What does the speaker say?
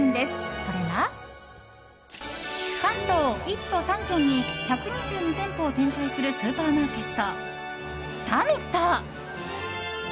それが、関東１都３県に１２２店舗を展開するスーパーマーケットサミット。